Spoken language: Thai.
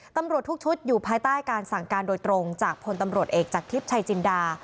ตำรวจทุกชุดอยู่ภายใต้การสั่งการโดยตรงจากพลตำรวจเอกจากทิพย์ชัยจินดา